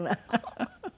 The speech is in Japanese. フフフフ。